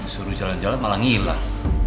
suruh jalan jalan malah ngilah